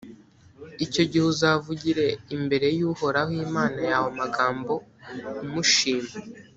icyo gihe uzavugire imbere y’uhoraho imana yawe magambo umushima